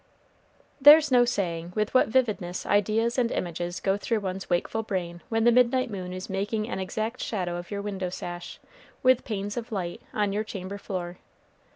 There's no saying with what vividness ideas and images go through one's wakeful brain when the midnight moon is making an exact shadow of your window sash, with panes of light, on your chamber floor.